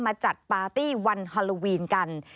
จัดปาร์ตี้วันฮาโลวีนกัน